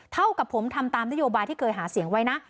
เท่ากับผมทำตามนโยบายที่เคยหาเสียงไว้นะ